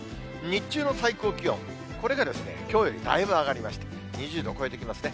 日中の最高気温、これできょうよりだいぶ上がりまして、２０度を超えてきますね。